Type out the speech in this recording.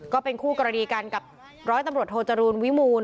ก็เป็นคู่กรณีกันกับร้อยตำรวจโทจรูลวิมูล